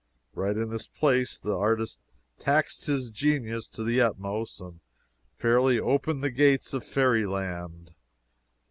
Right in this place the artist taxed his genius to the utmost, and fairly opened the gates of fairy land.